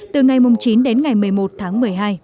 từ ngày chín đến ngày một mươi một tháng một mươi hai